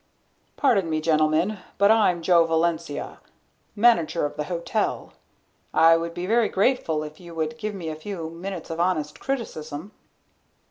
"Pardon me, gentlemen, but I'm Joe Valencia, manager of the hotel. I would be very grateful if you would give me a few minutes of honest criticism."